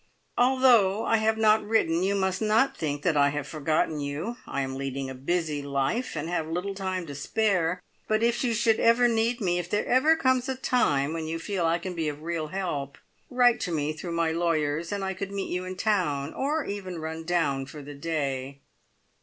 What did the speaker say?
"Although I have not written, you must not think that I have forgotten you. I am leading a busy life, and have little time to spare, but if you should ever need me; if there ever comes a time when you feel I can be of real help, write to me through my lawyers, and I could meet you in town, or even run down for the day."